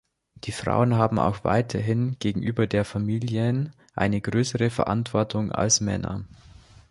Die Frauen haben auch weiterhin gegenüber der Familien eine größere Verantwortung als Männer.